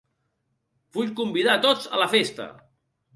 Vull convidar a tots a la festa.